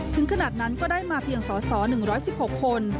ถึงขนาดนั้นก็ได้มาเพียงสส๑๑๖คน